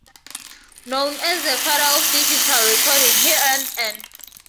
Known as the "father of digital recording", he earned an Sc.D.